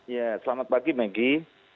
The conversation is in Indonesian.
ya selamat pagi maggie